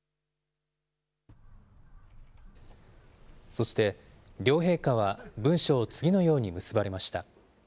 そして、両陛下は文書を次のように結ばれました。